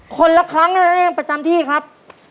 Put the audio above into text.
คนละครั้งน่ะเนี่ยประจำที่ครับ